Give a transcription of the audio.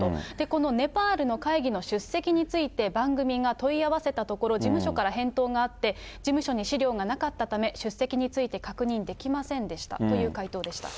このネパールの会議の出席について番組が問い合わせたところ、事務所から返答があって、事務所に資料がなかったため、出席について確認できませんでしたという回答でした。